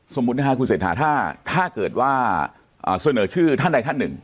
สมมุตินะคะคุณเศรษฐาถ้าเกิดว่าเสนอชื่อท่านใดท่านหนึ่ง